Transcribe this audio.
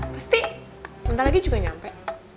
pasti bentar lagi juga nyampe